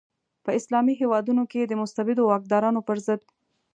په اسلامي هیوادونو کې د مستبدو واکدارانو پر ضد.